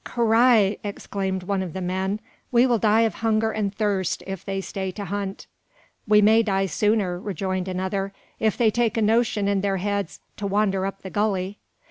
"Carrai!" exclaimed one of the men, "we will die of hunger and thirst if they stay to hunt!" "We may die sooner," rejoined another, "if they take a notion in their heads to wander up the gully."